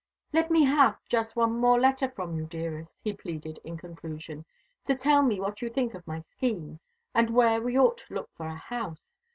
"Let me have just one more letter from you, dearest," he pleaded in conclusion, "to tell me what you think of my scheme, and where we ought to look for a house.